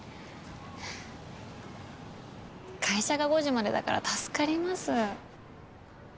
会社が５時までだから助かります。